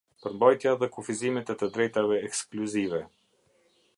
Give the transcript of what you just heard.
Përmbajtja dhe kufizimet e të drejtave ekskluzive.